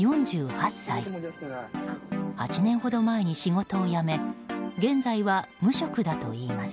８年ほど前に仕事を辞め現在は無職だといいます。